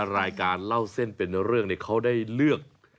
รายการเล่าเส้นเป็นเรื่องเขาได้เลือก